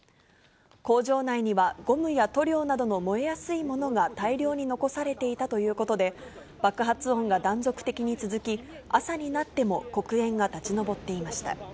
工場内には、ゴムや塗料などの燃えやすいものが大量に残されていたということで、爆発音が断続的に続き、朝になっても黒煙が立ち上っていました。